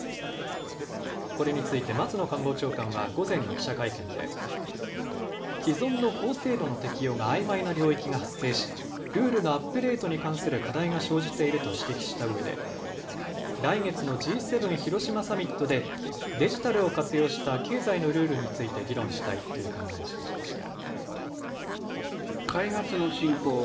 これについて松野官房長官は午前の記者会見で既存の法制度の適用があいまいな領域が発生しルールのアップデートに関する課題が生じていると指摘したうえで、来月のＧ７広島サミットでデジタルを活用した経済のルールについて議論したいという考えを示しました。